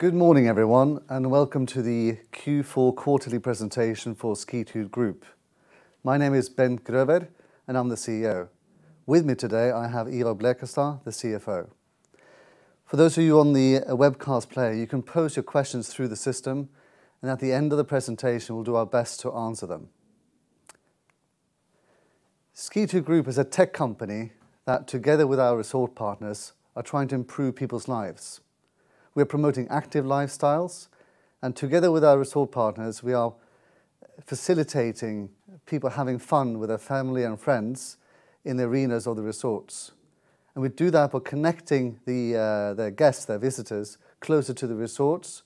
Good morning, everyone, and welcome to the Q4 quarterly presentation for Skitude Group. My name is Bent Grøver, and I'm the CEO. With me today, I have Ivar Blekastad, the CFO. For those of you on the webcast player, you can pose your questions through the system, and at the end of the presentation, we'll do our best to answer them. Skitude Group is a tech company that, together with our resort partners, are trying to improve people's lives. We're promoting active lifestyles, and together with our resort partners, we are facilitating people having fun with their family and friends in arenas or the resorts. We do that by connecting their guests, their visitors, closer to the resorts,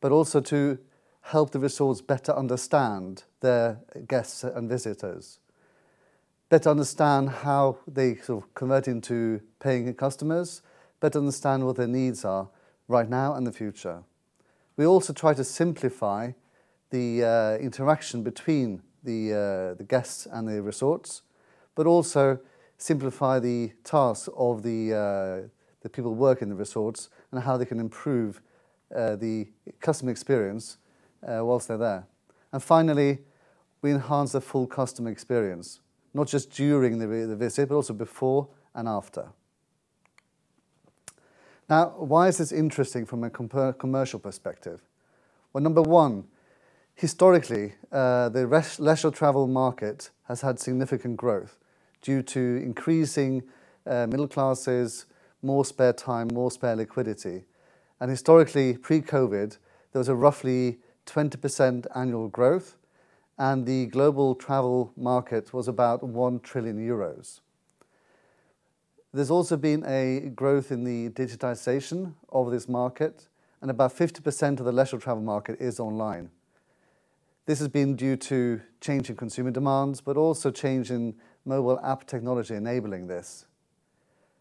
but also to help the resorts better understand their guests and visitors, better understand how they convert into paying customers, better understand what their needs are right now and in the future. We also try to simplify the interaction between the guests and the resorts, but also simplify the task of the people working in the resorts and how they can improve the customer experience whilst they're there. Finally, we enhance the full customer experience, not just during the visit, but also before and after. Now, why is this interesting from a commercial perspective? Well, number one, historically, the leisure travel market has had significant growth due to increasing middle classes, more spare time, more spare liquidity. Historically, pre-COVID, there was a roughly 20% annual growth, and the global travel market was about 1 trillion euros. There's also been a growth in the digitization of this market, and about 50% of the leisure travel market is online. This has been due to changing consumer demands, but also change in mobile app technology enabling this.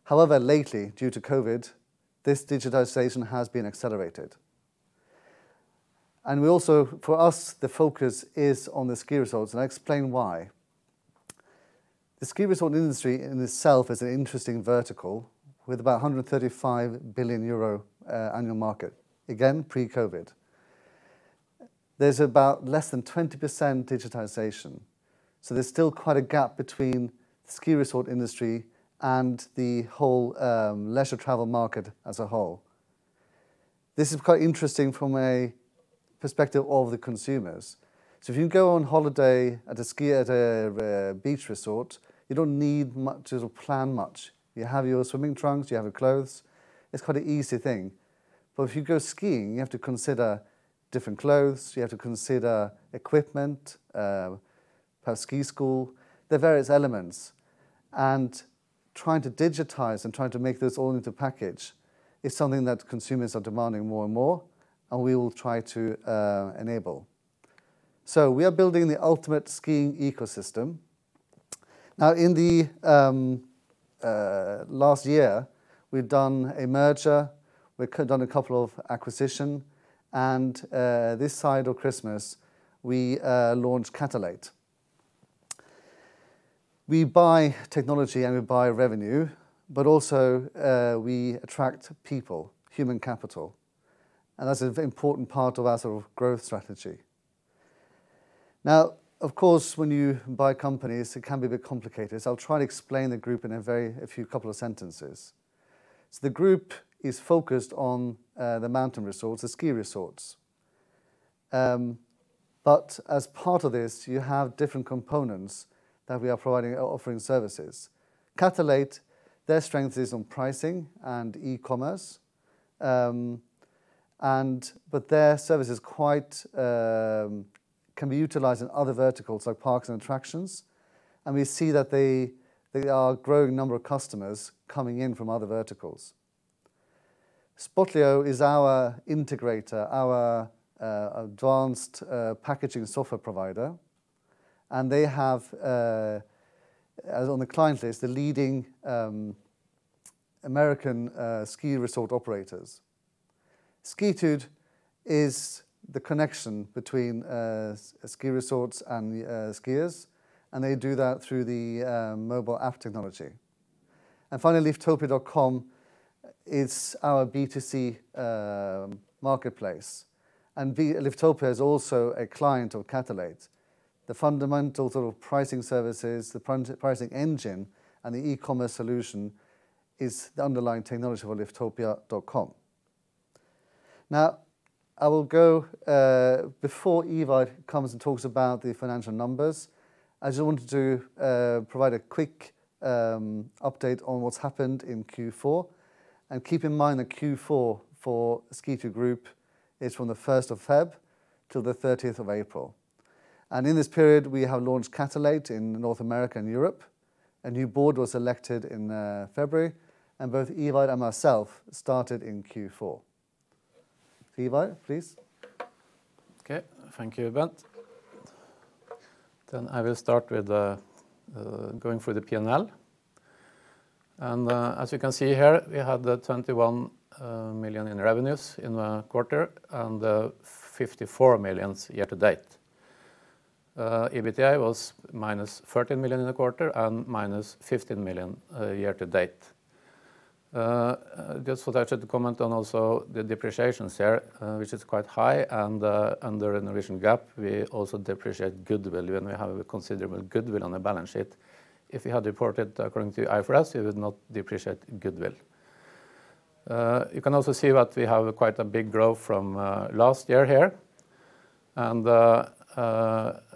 However, lately, due to COVID, this digitization has been accelerated. Also, for us, the focus is on the ski resorts, and I'll explain why. The ski resort industry in itself is an interesting vertical with about 135 billion euro annual market, again, pre-COVID. There's about less than 20% digitization, so there's still quite a gap between ski resort industry and the whole leisure travel market as a whole. This is quite interesting from a perspective of the consumers. If you go on holiday at a beach resort, you don't need much or plan much. You have your swimming trunks, you have your clothes. It's quite an easy thing. If you go skiing, you have to consider different clothes, you have to consider equipment, ski school, the various elements. Trying to digitize and trying to make this all into a package is something that consumers are demanding more and more, and we will try to enable. We are building the ultimate skiing ecosystem. Now, in the last year, we've done a merger, we've done a couple of acquisition, and this side of Christmas, we launched Catalate. We buy technology and we buy revenue, but also we attract people, human capital, and that's an important part of our growth strategy. When you buy companies, it can be a bit complicated, I'll try to explain the group in a few couple of sentences. The group is focused on the mountain resorts, the ski resorts. As part of this, you have different components that we are providing our offering services. Catalate, their strength is on pricing and e-commerce, but their services can be utilized in other verticals like parks and attractions, and we see that they are growing number of customers coming in from other verticals. Spotlio is our integrator, our advanced packaging software provider, and they have on the client list the leading American ski resort operators. Skitude is the connection between ski resorts and the skiers, and they do that through the mobile app technology. Finally, Liftopia.com is our B2C marketplace. Liftopia is also a client of Catalate. The fundamental pricing services, the pricing engine, and the e-commerce solution is the underlying technology of Liftopia.com. Before Ivar comes and talks about the financial numbers, I just wanted to provide a quick update on what's happened in Q4. Keep in mind that Q4 for Skitude Group is from the February 1st till the April 30th. In this period, we have launched Catalate in North America and Europe. A new board was elected in February, and both Ivar and myself started in Q4. Ivar, please. Okay. Thank you, Bent. I will start with going through the P&L. As you can see here, we have 21 million in revenues in the quarter and 54 million year to date. EBITDA was -40 million in the quarter and -15 million year to date. Just to touch on the comment on also the depreciations here, which is quite high, and under Norwegian GAAP, we also depreciate goodwill when we have a considerable goodwill on the balance sheet. If you had reported according to IFRS, you would not depreciate goodwill. You can also see that we have quite a big growth from last year here.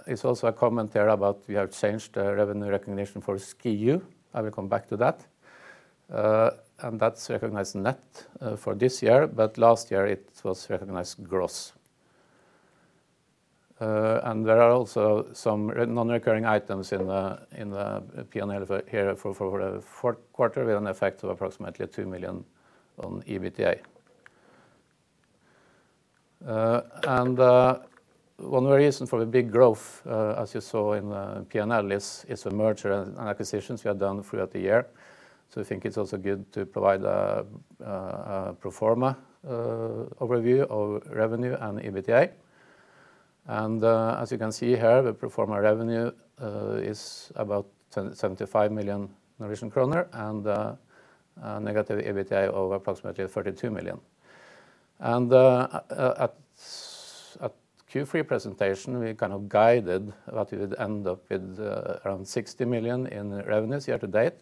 It's also a comment here about we have changed the revenue recognition for Skitude. I will come back to that. That's recognized net for this year, but last year it was recognized gross. There are also some non-recurring items in the P&L here for quarter with an effect of approximately 2 million on EBITDA. One reason for the big growth, as you saw in the P&L, is the merger and acquisitions we have done throughout the year. I think it's also good to provide a pro forma overview of revenue and EBITDA. As you can see here, the pro forma revenue is about 75 million Norwegian kroner and a negative EBITDA of approximately 32 million. At Q3 presentation, we guided that we would end up with around 60 million in revenues year-to-date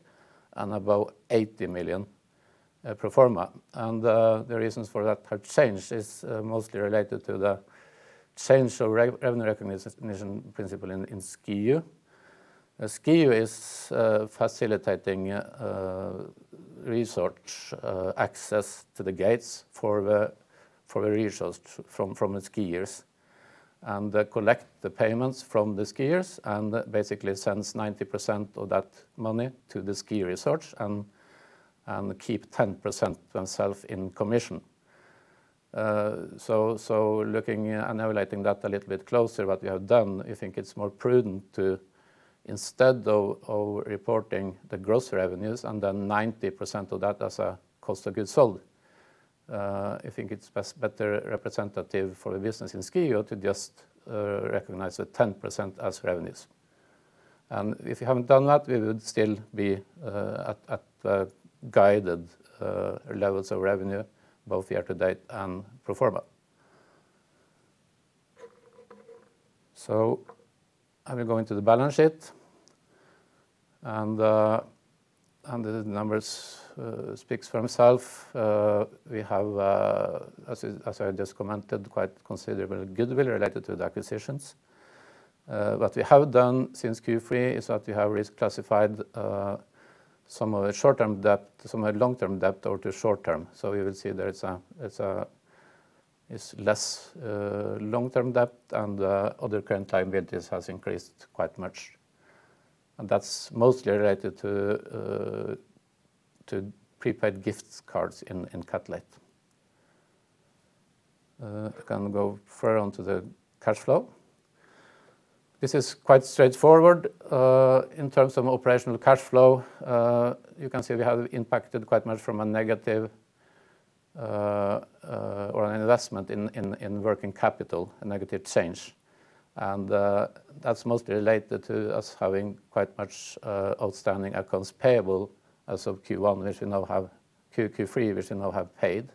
and about 80 million pro forma. The reasons for that change is mostly related to the change of revenue recognition principle in Skitude. Skitude is facilitating resort access to the gates for the resort from the skiers, they collect the payments from the skiers, basically sends 90% of that money to the ski resort and keep 10% themselves in commission. Looking and analyzing that a little bit closer, what we have done, I think it's more prudent to, instead of reporting the gross revenues and then 90% of that as a cost of goods sold, I think it's better representative for the business in Skitude to just recognize the 10% as revenues. If we haven't done that, we would still be at the guided levels of revenue both year-to-date and pro forma. I'm going to the balance sheet, the numbers speaks for himself. We have, as I just commented, quite considerable goodwill related to the acquisitions. What we have done since Q3 is that we have reclassified some of the long-term debt or to short-term. You will see there's less long-term debt, and other current liabilities has increased quite much. That's mostly related to prepaid gift cards in Catalate. I can go further on to the cash flow. This is quite straightforward. In terms of operational cash flow, you can see we have impacted quite much from a negative or an investment in working capital, a negative change, and that's mostly related to us having quite much outstanding accounts payable as of Q1, which we now have paid.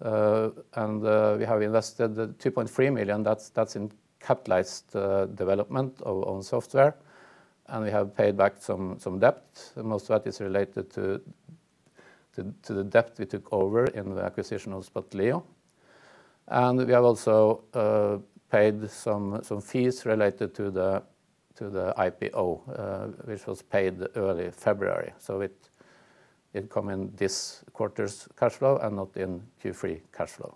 We have invested the 2.3 million, that's in capitalized development of software, and we have paid back some debt. Most of that is related to the debt we took over in the acquisition of Spotlio. We have also paid some fees related to the IPO, which was paid early February. It did come in this quarter's cash flow and not in Q3 cash flow.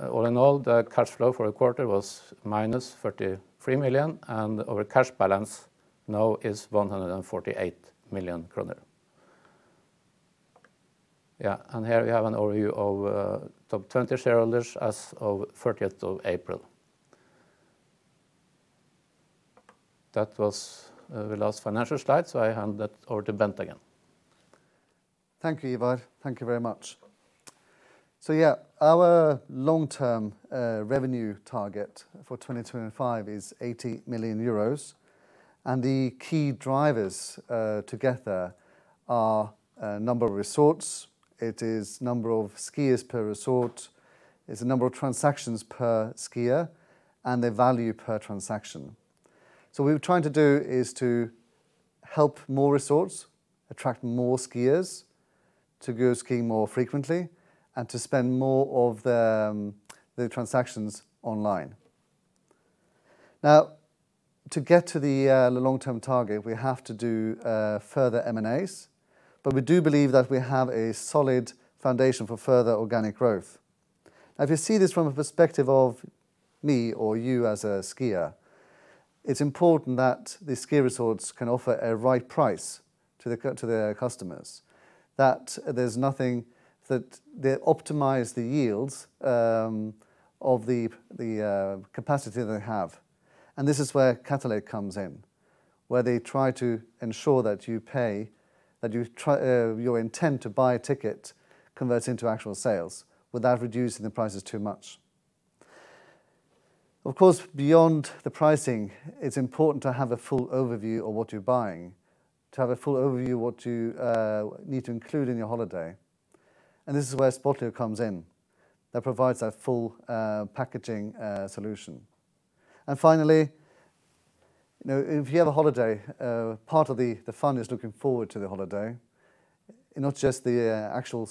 All in all, the cash flow for the quarter was minus 43 million, and our cash balance now is 148 million kroner. Here we have an overview of top 20 shareholders as of April 30th. That was the last financial slide, I hand it over to Bent again. Thank you, Ivar. Thank you very much. Yeah, our long-term revenue target for 2025 is 80 million euros, and the key drivers to get there are number of resorts, it is number of skiers per resort, it's the number of transactions per skier, and the value per transaction. What we've tried to do is to help more resorts attract more skiers to go skiing more frequently and to spend more of their transactions online. To get to the long-term target, we have to do further M&As, but we do believe that we have a solid foundation for further organic growth. To see this from a perspective of me or you as a skier, it's important that the ski resorts can offer a right price to their customers. They optimize the yields of the capacity they have, and this is where Catalate comes in. Where they try to ensure that your intent to buy a ticket converts into actual sales without reducing the prices too much. Of course, beyond the pricing, it's important to have a full overview of what you're buying, to have a full overview what you need to include in your holiday. This is where Spotlio comes in. That provides that full packaging solution. Finally, if you have a holiday, part of the fun is looking forward to the holiday, not just the actual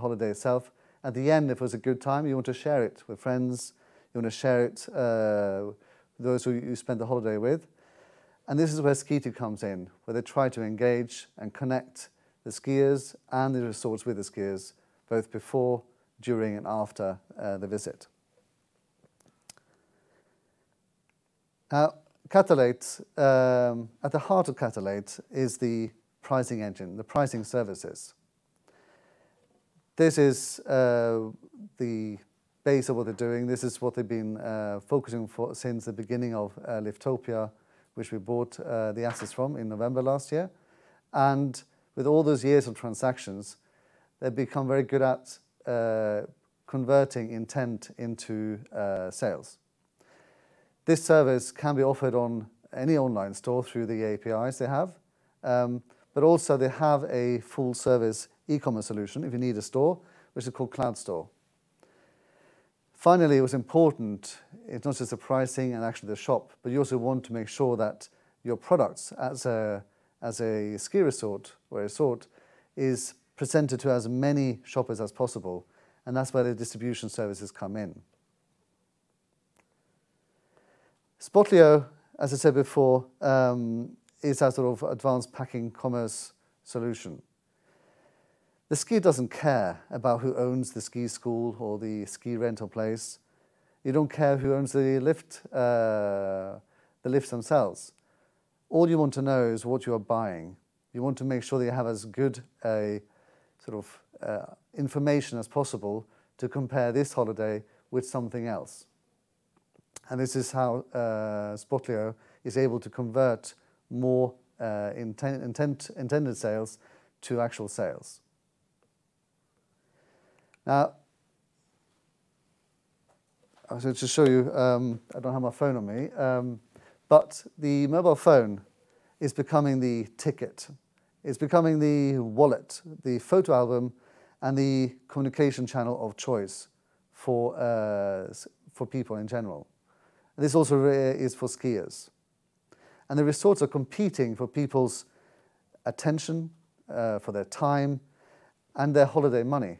holiday itself. At the end, if it was a good time, you want to share it with friends, you want to share it with those who you spent the holiday with. This is where Skitude comes in, where they try to engage and connect the skiers and the resorts with the skiers, both before, during, and after the visit. Now, at the heart of Catalate is the pricing engine, the pricing services. This is the base of what they're doing. This is what they've been focusing for since the beginning of Liftopia, which we bought the assets from in November last year. With all those years of transactions, they've become very good at converting intent into sales. This service can be offered on any online store through the APIs they have. Also they have a full-service e-commerce solution, if you need a store, which is called Cloud Store. It was important, it's not just the pricing and actually the shop, you also want to make sure that your products, as a ski resort, or a resort, is presented to as many shoppers as possible, and that's where the distribution services come in. Spotlio, as I said before, is our advanced packaging commerce solution. The skier doesn't care about who owns the ski school or the ski rental place. They don't care who owns the lifts themselves. All you want to know is what you're buying. You want to make sure that you have as good information as possible to compare this holiday with something else. This is how Spotlio is able to convert more intended sales to actual sales. I was going to show you, I don't have my phone on me, but the mobile phone is becoming the ticket, it's becoming the wallet, the photo album, and the communication channel of choice for people in general. This also is for skiers. The resorts are competing for people's attention, for their time, and their holiday money.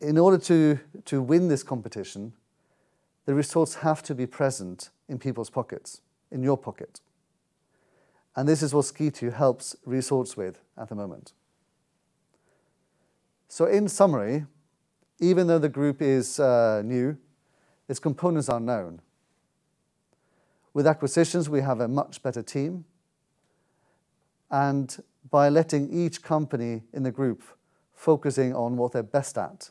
In order to win this competition, the resorts have to be present in people's pockets, in your pocket. This is what Skitude helps resorts with at the moment. In summary, even though the group is new, its components are known. With acquisitions, we have a much better team. By letting each company in the group focusing on what they're best at,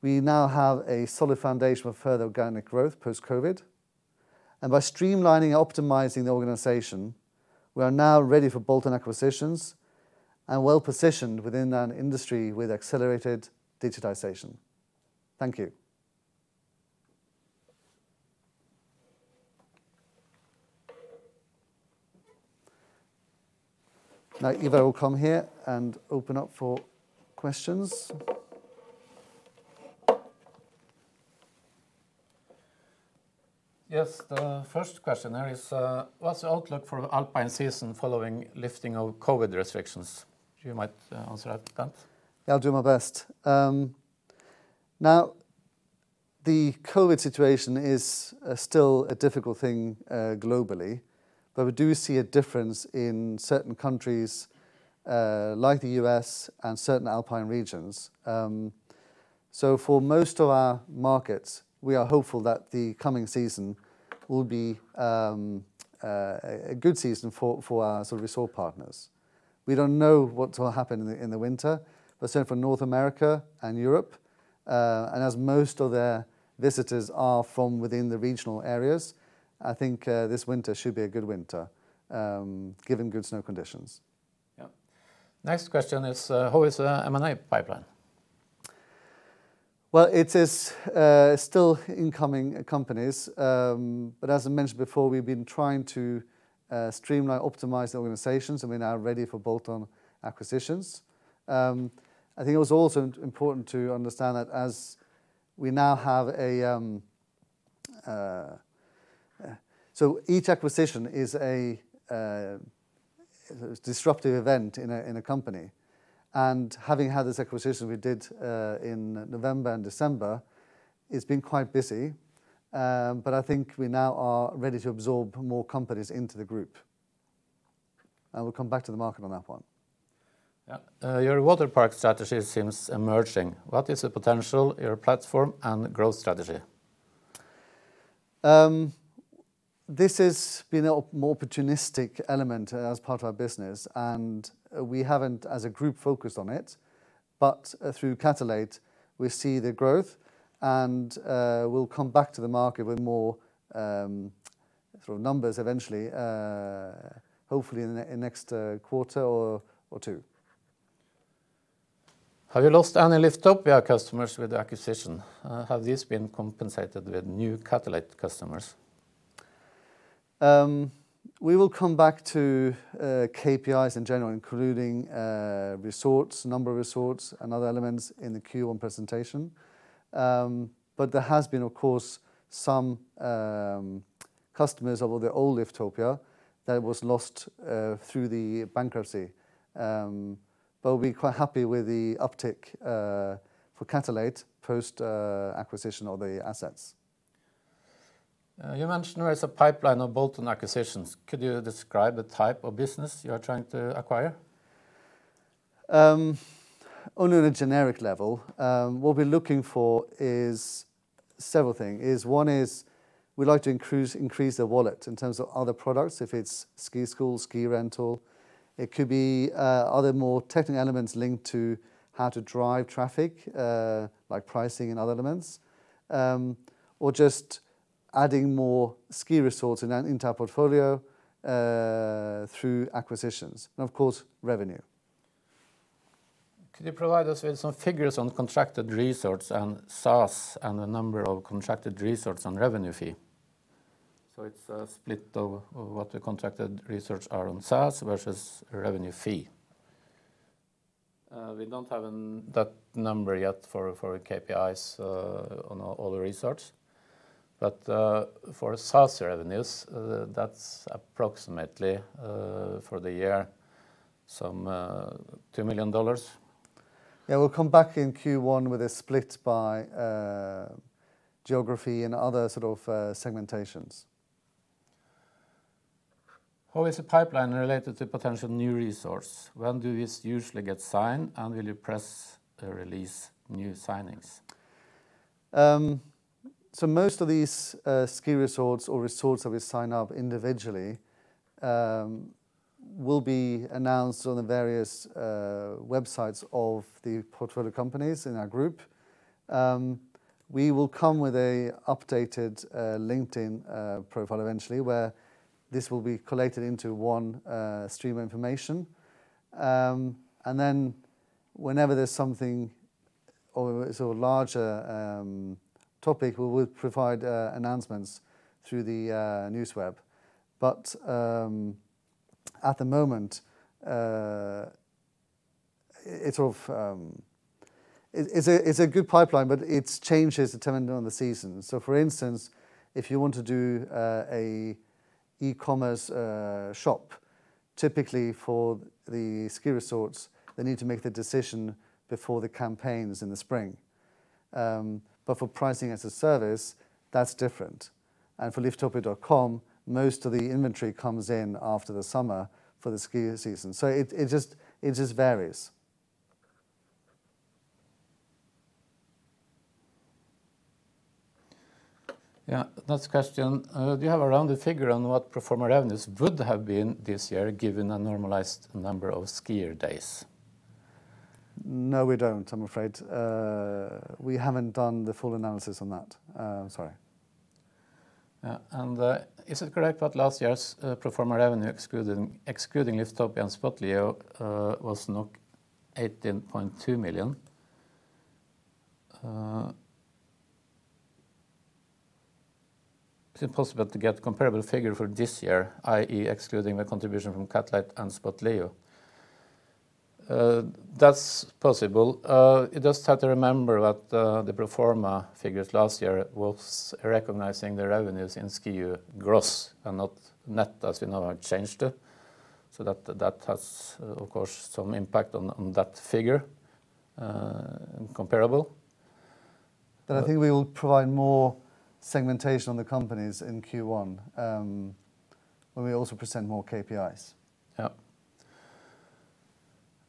we now have a solid foundation for further organic growth post-COVID. By streamlining and optimizing the organization, we are now ready for bolt-on acquisitions and well-positioned within an industry with accelerated digitization. Thank you. Ivar Blekastad will come here and open up for questions. Yes, the first question there is, what's the outlook for alpine season following lifting of COVID restrictions? You might answer that, Bent Grøver. Yeah, I'll do my best. The COVID situation is still a difficult thing globally, but we do see a difference in certain countries, like the U.S., and certain alpine regions. For most of our markets, we are hopeful that the coming season will be a good season for our resort partners. We don't know what will happen in the winter, but certainly for North America and Europe, and as most of their visitors are from within the regional areas, I think this winter should be a good winter, given good snow conditions. Yeah. Next question is, how is M&A pipeline? Well, it is still incoming companies. As I mentioned before, we've been trying to streamline, optimize the organizations, and we're now ready for bolt-on acquisitions. I think it was also important to understand that as we now have each acquisition is a disruptive event in a company. Having had this acquisition we did in November and December, it's been quite busy. I think we now are ready to absorb more companies into the group. We'll come back to the market on that one. Yeah. Your water park strategy seems emerging. What is the potential, your platform, and growth strategy? This has been a more opportunistic element as part of our business, and we haven't, as a group, focused on it. Through Catalate, we see the growth, and we'll come back to the market with more sort of numbers eventually, hopefully in the next quarter or two. "Have you lost any Liftopia customers with the acquisition? Have these been compensated with new Catalate customers?" We will come back to KPIs in general, including number of resorts and other elements in the Q1 presentation. There has been, of course, some customers of the old Liftopia that was lost through the bankruptcy. We're quite happy with the uptick for Catalate post-acquisition of the assets. "You mentioned there is a pipeline of bolt-on acquisitions. Could you describe the type of business you are trying to acquire?" Only on a generic level. What we're looking for is several things. One is we'd like to increase the wallet in terms of other products, if it's ski school, ski rental. It could be other more technical elements linked to how to drive traffic, like pricing and other elements. Just adding more ski resorts into our portfolio through acquisitions and, of course, revenue. "Could you provide us with some figures on contracted resorts and SaaS, and the number of contracted resorts on revenue fee?" It's a split of what the contracted resorts are on SaaS versus revenue fee. We don't have that number yet for KPIs on all the resorts. For SaaS revenues, that's approximately, for the year, $2 million. Yeah, we'll come back in Q1 with a split by geography and other sort of segmentations. "How is the pipeline related to potential new resorts? When do these usually get signed, and will you press release new signings?" Most of these ski resorts or resorts that we sign up individually will be announced on the various websites of the portfolio companies in our group. We will come with an updated LinkedIn profile eventually, where this will be collated into one stream of information. Whenever there's something of a larger topic, we will provide announcements through the NewsWeb. At the moment, it's a good pipeline, but it changes depending on the season. For instance, if you want to do an e-commerce shop, typically for the ski resorts, they need to make a decision before the campaigns in the spring. For pricing as a service, that's different. For liftopia.com, most of the inventory comes in after the summer for the ski season. It just varies. Yeah. Next question. Do you have a rounded figure on what pro forma revenues would have been this year given a normalized number of skier days?" No, we don't, I'm afraid. We haven't done the full analysis on that. I'm sorry. "Is it correct that last year's pro forma revenue excluding Liftopia and Spotlio was NOK 18.2 million? Is it possible to get a comparable figure for this year, i.e. excluding the contribution from Catalate and Spotlio?" That's possible. You just have to remember that the pro forma figures last year was recognizing the revenues in Skitude gross and not net, as you know, I changed it. That has, of course, some impact on that figure comparable. I think we will provide more segmentation on the companies in Q1 when we also present more KPIs.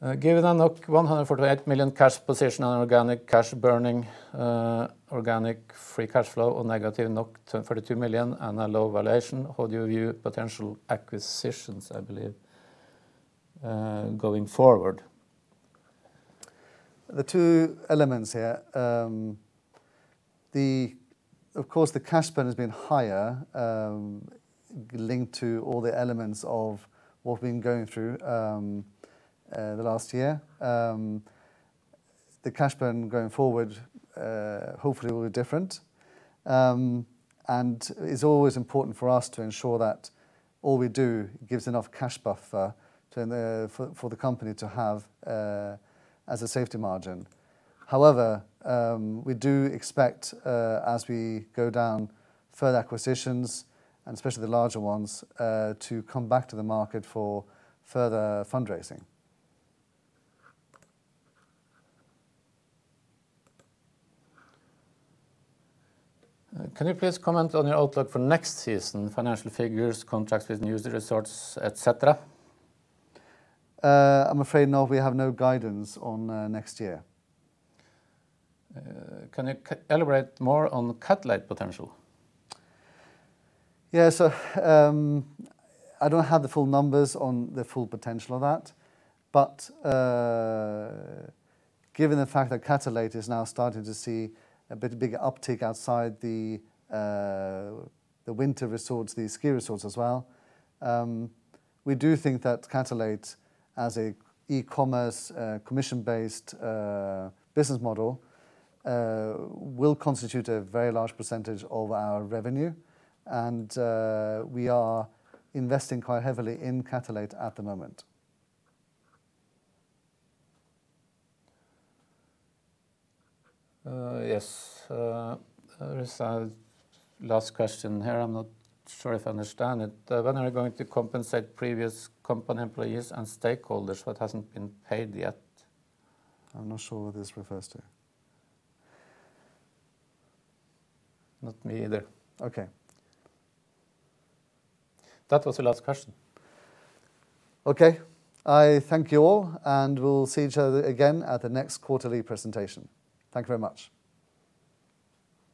Given the 148 million cash position and organic cash burning, organic free cash flow of negative NOK 32 million and a low valuation, how do you view potential acquisitions," I believe, "going forward? There are two elements here. Of course, the cash burn has been higher, linked to all the elements of what we've been going through the last year. The cash burn going forward, hopefully, will be different. It's always important for us to ensure that all we do gives enough cash buffer for the company to have as a safety margin. However, we do expect, as we go down further acquisitions and especially the larger ones, to come back to the market for further fundraising. Can you please comment on your outlook for next season, financial figures, contracted new resorts, et cetera? I'm afraid no, we have no guidance on next year. Can you elaborate more on Catalate potential?" Yeah. I don't have the full numbers on the full potential of that, but given the fact that Catalate is now starting to see a bit of a big uptick outside the winter resorts, the ski resorts as well, we do think that Catalate as an e-commerce commission-based business model will constitute a very large percentage of our revenue, and we are investing quite heavily in Catalate at the moment. Yes. There is a last question here. I'm not sure if I understand it. "When are you going to compensate previous company employees and stakeholders who hasn't been paid yet?" I'm not sure what this refers to. Not me either. Okay. That was the last question. Okay. I thank you all, and we'll see each other again at the next quarterly presentation. Thank you very much.